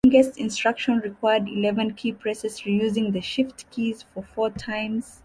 The longest instruction required eleven keypresses, re-using the shift keys four times.